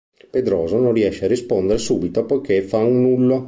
Pedroso non riesce a rispondere subito poiché fa un nullo.